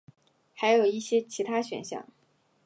还有一些其他选项。